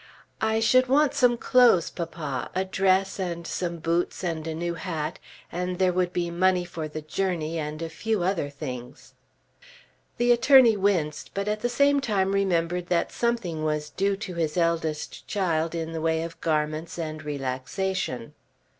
"I should want some clothes, papa; a dress, and some boots, and a new hat, and there would be money for the journey and a few other things." The attorney winced, but at the same time remembered that something was due to his eldest child in the way of garments and relaxation.